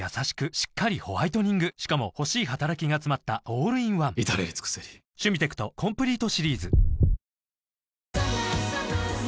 しっかりホワイトニングしかも欲しい働きがつまったオールインワン至れり尽せり改めて今日のプレゼントは？